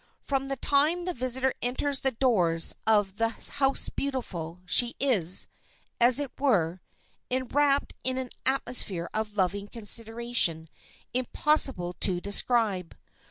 From the time the visitor enters the doors of this House Beautiful she is, as it were, enwrapped in an atmosphere of loving consideration impossible to describe.